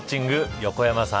横山さん